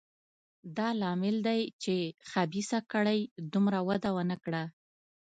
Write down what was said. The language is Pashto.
دا لامل دی چې خبیثه کړۍ دومره وده ونه کړه.